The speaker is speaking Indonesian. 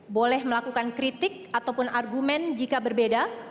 boleh melakukan kritik ataupun argumen jika berbeda